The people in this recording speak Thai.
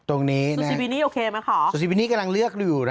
ตรงนี้นะโซซีบินี่โอเคไหมคะโซซีบินี่กำลังเลือกอยู่นะคะ